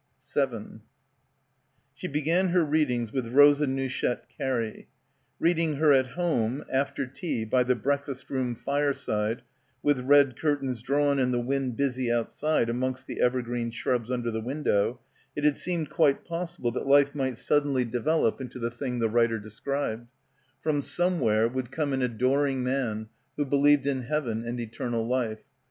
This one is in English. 7 She began her readings with Rosa Nouchette Carey. Reading her at home, after tea by the breakfast room fireside with red curtains drawn and the wind busy outside amongst the ever green shrubs under the window, it had seemed quite possible that life might suddenly develop into the thing the writer described. From some — 179 — PILGRIMAGE where would come an adoring man who believed in heaven and eternal life.